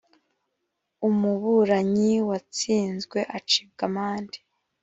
umuburanyi watsinzwe acibwa amande